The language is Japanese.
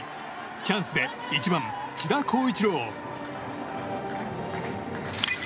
チャンスで１番、千田光一郎。